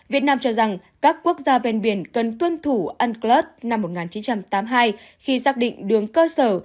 việt nam cho rằng các quốc gia ven biển cần tuân thủ unclus năm một nghìn chín trăm tám mươi hai khi xác định đường cơ sở